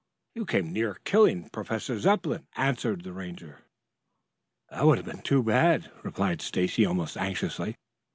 "You came near killing Professor Zepplin," answered the Ranger. "That would have been too bad," replied Stacy almost anxiously.